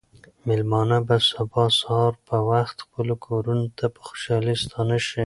مېلمانه به سبا سهار په وخت خپلو کورونو ته په خوشحالۍ ستانه شي.